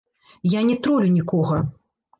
Я не тролю нікога.